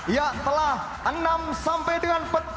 ya telah enam sampai dengan petang